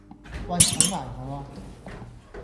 喂等埋我呀